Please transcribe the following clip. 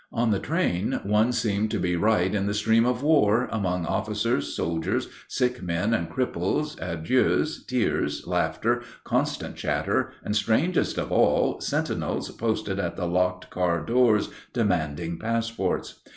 On the train one seemed to be right in the stream of war, among officers, soldiers, sick men and cripples, adieus, tears, laughter, constant chatter, and, strangest of all, sentinels posted at the locked car doors demanding passports.